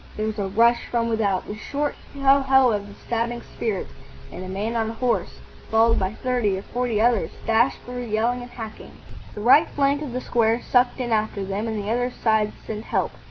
There was a rush from without, the short hough hough of the stabbing spears, and a man on a horse, followed by thirty or forty others, dashed through, yelling and hacking. The right flank of the square sucked in after them, and the other sides sent help.